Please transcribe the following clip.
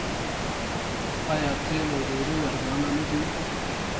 آیا تیل او ډوډۍ ارزانه نه دي؟